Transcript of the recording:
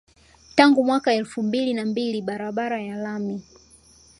Tangu mwaka wa elfu mbili na mbili barabara ya lami